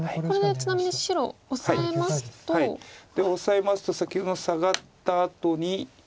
オサえますと先ほどのサガったあとに。